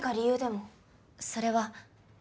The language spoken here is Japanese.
それは。